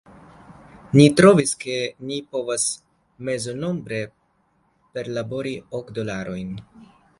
Ni trovis, ke ni povas mezonombre perlabori ok dolarojn.